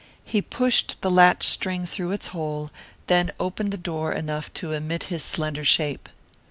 He pushed the latch string through its hole, then opened the door enough to emit his slender shape.